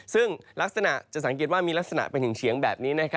ซึ่งลักษณะจะสังเกตว่ามีลักษณะเป็นถึงเฉียงแบบนี้